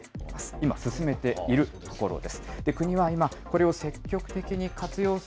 今、進めているところです。